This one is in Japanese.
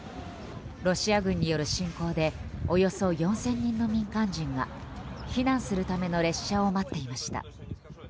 ロシア軍による侵攻でおよそ４０００人の民間人が避難するための列車を待っていました。